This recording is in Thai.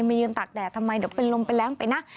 ยืนตากแดดทำไมเดี๋ยวเป็นลมเป็นแรงไปนะ